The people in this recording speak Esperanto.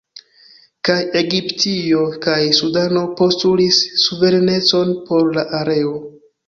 Kaj Egiptio kaj Sudano postulis suverenecon por la areo.